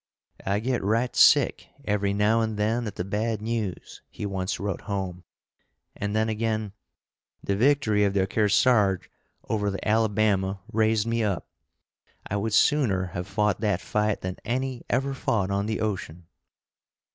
"I get right sick, every now and then, at the bad news," he once wrote home; and then again, "The victory of the Kearsarge over the Alabama raised me up; I would sooner have fought that fight than any ever fought on the ocean."